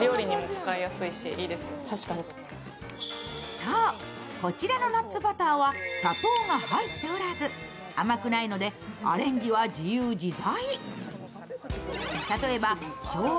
そう、こちらのナッツバターは砂糖が入っておらず、甘くないのでアレンジは自由自在。